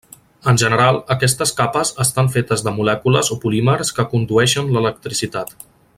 En general aquestes capes estan fetes de molècules o polímers que condueixen l'electricitat.